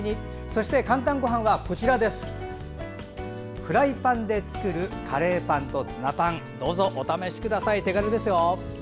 そして「かんたんごはん」はフライパンで作るカレーパンとツナパンどうぞお試しください、手軽です。